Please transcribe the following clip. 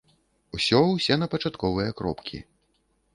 Усё усе на пачатковыя кропкі.